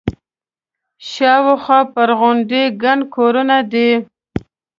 شاوخوا پر غونډۍ ګڼ کورونه دي.